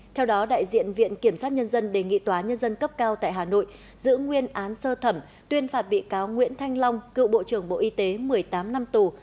theo đó đại diện viện kiểm sát nhân dân đề nghị tòa nhân dân cấp cao tại hà nội giữ nguyên án sơ thẩm tuyên phạt bị cáo nguyễn thanh long cựu bộ trưởng bộ y tế một mươi tám năm tù